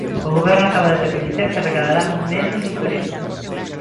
O Goberno acaba de recoñecer que recadará menos do previsto.